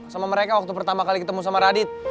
sama mereka waktu pertama kali ketemu sama radit